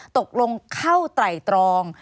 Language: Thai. ตกลงเข้าไตรตรอง